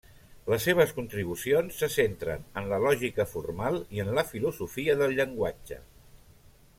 Les seves contribucions se centren en la lògica formal i en la filosofia del llenguatge.